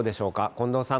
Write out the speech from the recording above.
近藤さん。